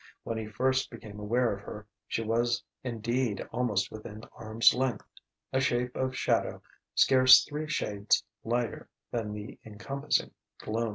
When he first became aware of her she was indeed almost within arm's length: a shape of shadow scarce three shades lighter than the encompassing gloom....